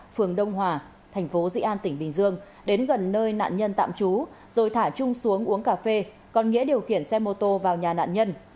phường đông hòa thành phố dị an tỉnh bình dương đến gần nơi nạn nhân tạm trú rồi thả chung xuống uống cà phê còn nghĩa điều khiển xe mô tô vào nhà nạn nhân